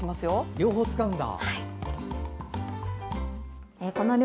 両方使うんだ。